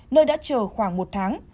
nơi đã chờ khoảng một tháng